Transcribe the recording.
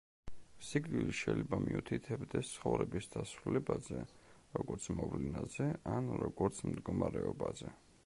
სიკვდილი შეიძლება მიუთითებდეს ცხოვრების დასრულებაზე როგორც მოვლენაზე ან როგორც მდგომარეობაზე.